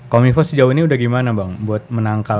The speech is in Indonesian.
kominfo sejauh ini udah gimana bang buat menangkal